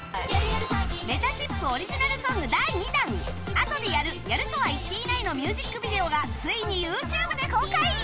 めたしっぷオリジナルソング第２弾『あとでやる』のミュージックビデオがついに ＹｏｕＴｕｂｅ で公開